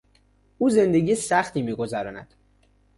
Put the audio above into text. او زندگی سختی را میگذراند.